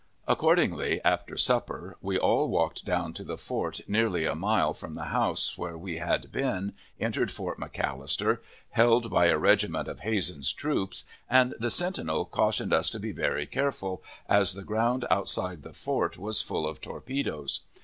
Accordingly, after supper, we all walked down to the fort, nearly a mile from the house where we had been, entered Fort McAllister, held by a regiment of Hazen's troops, and the sentinel cautioned us to be very careful, as the ground outside the fort was full of torpedoes.